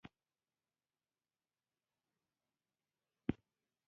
ګوندي وي دا وروستي خبري ښه پیل وي.